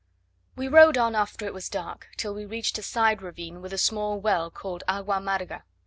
We rode on after it was dark, till we reached a side ravine with a small well, called "Agua amarga."